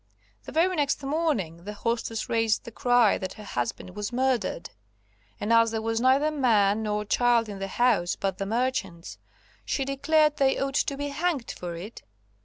The very next morning the hostess raised the cry that her husband was murdered, and as there was neither man nor child in the house but the merchants, she declared they ought to be hanged for it.